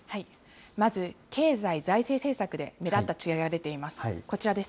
まず、経済・財政政策で目立った違いが出ています。